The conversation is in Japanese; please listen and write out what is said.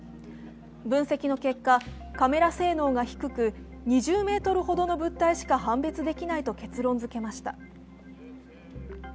分析の結果、カメラ性能が低く２０ｍほどの物体しか判別できないと結論づけました。